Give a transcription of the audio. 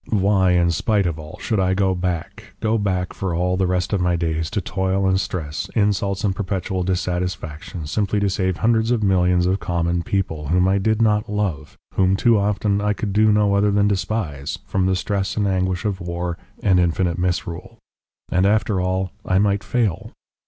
Why, in spite of all, should I go back, go back for all the rest of my days to toil and stress, insults and perpetual dissatisfaction, simply to save hundreds of millions of common people, whom I did not love, whom too often I could do no other than despise, from the stress and anguish of war and infinite misrule? And after all I might fail.